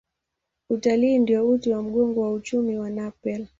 Utalii ndio uti wa mgongo wa uchumi wa Nepal.